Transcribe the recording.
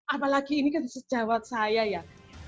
apalagi ini kan sejawat saya ya